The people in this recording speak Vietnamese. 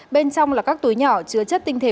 bên trong là các túi nhỏ chứa chất tinh thể